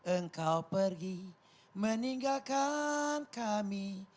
engkau pergi meninggalkan kami